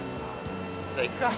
じゃあ行くか。